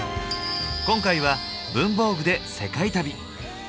今回は「文房具」で世界旅！